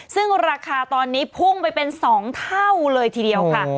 ซึ่งราคาตอนนี้พุ่งไปเป็น๒เท่าเลยทีเดียวค่ะ